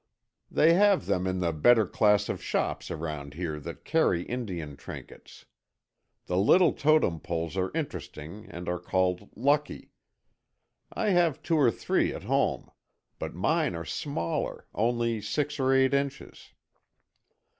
They have them in the better class of shops round here that carry Indian trinkets. The little Totem Poles are interesting, and are called lucky. I have two or three at home. But mine are smaller, only six or eight inches.